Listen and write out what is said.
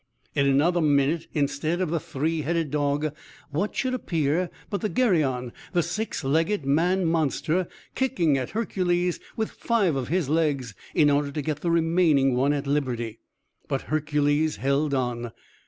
In another minute, instead of the three headed dog, what should appear but Geryon, the six legged man monster, kicking at Hercules with five of his legs, in order to get the remaining one at liberty! But Hercules held on.